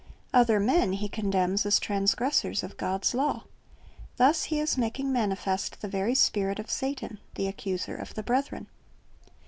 "Other men" he condemns as trans gressors of God's law. Thus he is making manifest the very spirit of Satan, the accuser of the brethren.